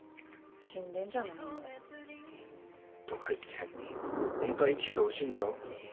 死んでんじゃないもう。とか言ってホントは生きててほしいんだろ？